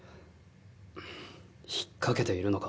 んっ引っ掛けているのか？